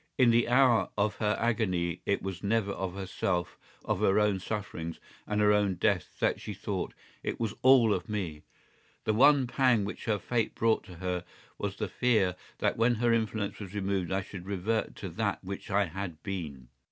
In the hour of her agony it was never of herself, of her own sufferings and her own death that she thought. It was all of me. The one pang which her fate brought to her was the fear that when her influence was removed I should revert to that which I had been.